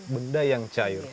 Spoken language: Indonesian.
benda yang cair